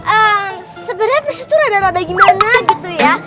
ehm sebenernya persis tuh rada rada gimana gitu ya